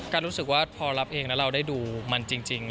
รู้สึกว่าพอรับเองแล้วเราได้ดูมันจริง